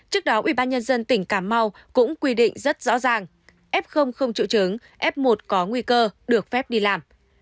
trước đó ubnd tỉnh cà mau cũng quy định rất rõ ràng f không triệu chứng f một có nguy cơ được phép đi làm